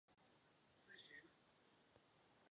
Pak se stal advokátem ve Varšavě.